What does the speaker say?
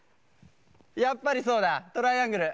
やっぱりそうだトライアングル。